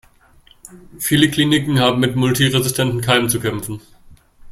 Viele Kliniken haben mit multiresistenten Keimen zu kämpfen.